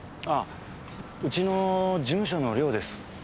ああうちの事務所の寮です。